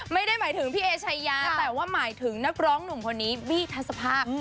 ไม่ได้หมายถึงพี่เอชายาแต่ว่าหมายถึงนักร้องหนุ่มคนนี้บี้ทัศภาค